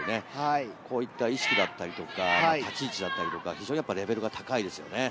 こういった意識だったりとか、立ち位置だったりとか、非常にレベルが高いですよね。